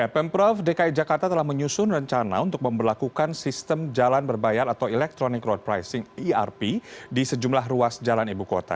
pemprov dki jakarta telah menyusun rencana untuk memperlakukan sistem jalan berbayar atau electronic road pricing erp di sejumlah ruas jalan ibu kota